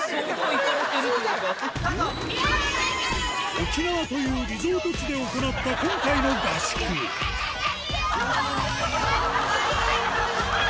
沖縄というリゾート地で行った今回の合宿あぁ！